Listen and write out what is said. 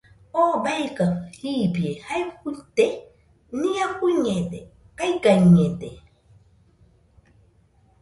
¿Oo beika jibie jae fuite?nia fuiñede, kaigañede.